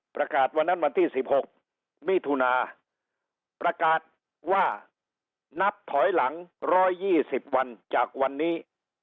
ประกาศวันนั้นวันที่๑๖มิถุนาประกาศว่านับถอยหลัง๑๒๐วันจากวันนี้